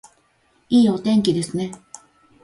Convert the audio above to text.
いいお天気ですね